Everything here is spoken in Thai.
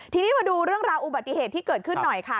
ทีนี้มาดูเรื่องราวอุบัติเหตุที่เกิดขึ้นหน่อยค่ะ